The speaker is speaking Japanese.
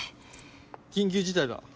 緊急事態だ。